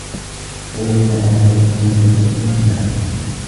خُذُوا مَا آتَيْنَاكُمْ بِقُوَّةٍ وَاسْمَعُوا ۖ